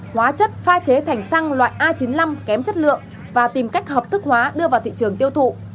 hóa chất pha chế thành xăng loại a chín mươi năm kém chất lượng và tìm cách hợp thức hóa đưa vào thị trường tiêu thụ